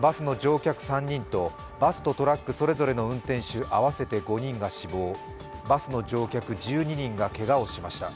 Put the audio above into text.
バスの乗客３人とバスとトラックそれぞれの運転手合わせて５人が死亡バスの乗客１２人がけがをしました。